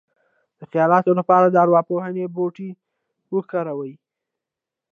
د خیالاتو لپاره د ارواپوهنې بوټي وکاروئ